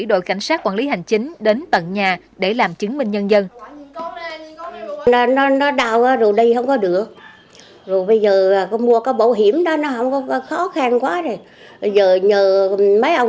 đội cảnh sát quản lý hành chính đến tận nhà để làm chứng minh nhân dân